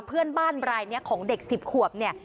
เพื่อนบ้านรายนี้ของเด็ก๑๐ขวบเนี่ย